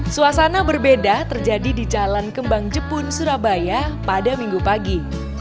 suasana berbeda terjadi di jalan kembang jepun surabaya pada minggu pagi